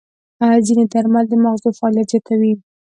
ځینې درمل د ماغزو فعالیت زیاتوي.